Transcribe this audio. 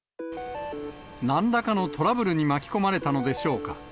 何らかのトラブルに巻き込まれたのでしょうか。